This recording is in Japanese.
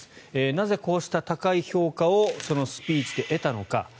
なぜこうした高い評価をそのスピーチで得たのか。